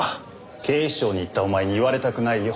警視庁に行ったお前に言われたくないよ。